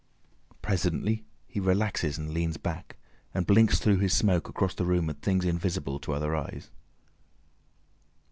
Presently he relaxes and leans back, and blinks through his smoke across the room at things invisible to other eyes.